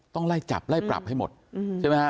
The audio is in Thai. ต้องไล่จับไล่ปรับให้หมดใช่ไหมฮะ